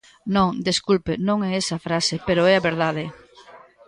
Non, desculpe, non é esa frase, pero é a verdade.